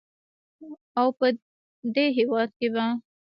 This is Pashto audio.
او په دې هېواد کې به